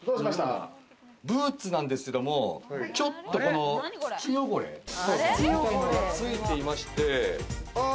ブーツなんですけれど、ちょっとこの土汚れみたいなのがついていまして。